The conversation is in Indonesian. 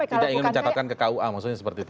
tidak ingin mencatatkan ke kua maksudnya seperti itu